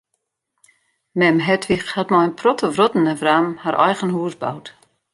Mem Hedwig hat mei in protte wrotten en wramen har eigen hûs boud.